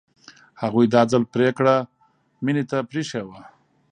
هغوی دا ځل پرېکړه مينې ته پرېښې وه